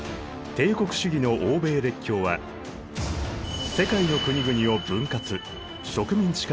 帝国主義の欧米列強は世界の国々を分割植民地化していた。